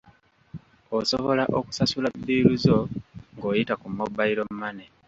Osobola okusasula bbiiru zo ng'oyita ku mobile money.